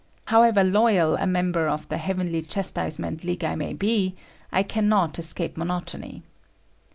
However loyal a member of the heavenly chastisement league I may be, I cannot escape monotony.